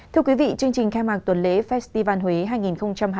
thưa quý vị chương trình khai mạc tuần lễ festival huế hai nghìn hai mươi bốn